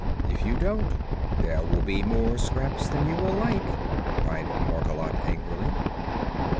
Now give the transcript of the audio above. "If you don't, there will be more scraps than you will like," cried Margolotte, angrily.